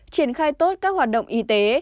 triển khai tốt các hoạt động y tế